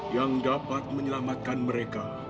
yang dapat menyelamatkan mereka